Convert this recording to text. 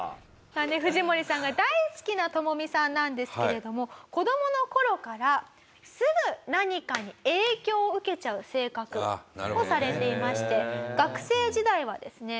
藤森さんが大好きなトモミさんなんですけれども子供の頃からすぐ何かに影響を受けちゃう性格をされていまして学生時代はですね